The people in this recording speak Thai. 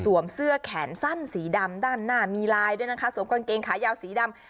เสื้อแขนสั้นสีดำด้านหน้ามีลายด้วยนะคะสวมกางเกงขายาวสีดำ